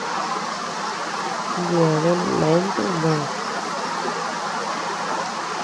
Yeabean leantu nod.